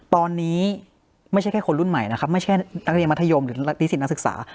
ตอนนี้ไม่ใช่แค่คนรุ่นใหม่นะครับไม่ใช่นักเรียนมัธยมหรือนิสิตนักศึกษา